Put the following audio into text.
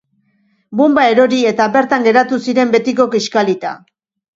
Bonba erori eta bertan geratu ziren betiko, kiskalita.